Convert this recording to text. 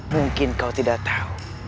mungkin kau tidak tahu